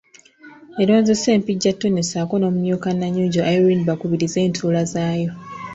Eronze Ssempijja Tonny ssaako n’omumyuka Nannyunja Irene bakubirize entuula zaayo.